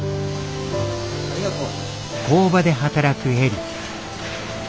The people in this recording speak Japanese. ありがとう。